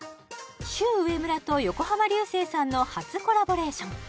シュウウエムラと横浜流星さんの初コラボレーション